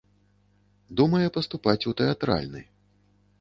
Думае паступаць у тэатральны.